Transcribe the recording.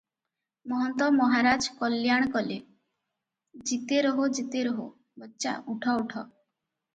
ମହନ୍ତ ମହାରାଜ କଲ୍ୟାଣ କଲେ, "ଜୀତେ ରହୋ - ଜୀତେ ରହୋ - ବଚ୍ଚା, ଉଠ - ଉଠ ।"